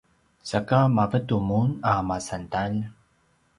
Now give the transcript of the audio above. saka mavetu mun a masantalj?